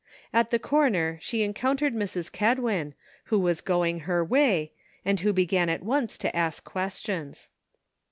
At the corner she encoun tered Mrs. Kedwin, who was going her way, and who began at once to ask questions.